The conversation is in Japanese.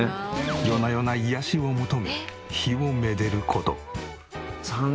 夜な夜な癒やしを求め火を愛でる事。